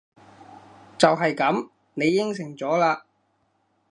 就係噉！你應承咗喇！